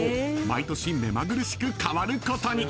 毎年目まぐるしくかわることに］